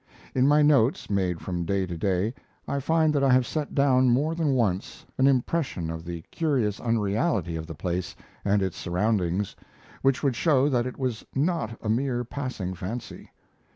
In my notes, made from day to day, I find that I have set down more than once an impression of the curious unreality of the place and its surroundings, which would show that it was not a mere passing fancy.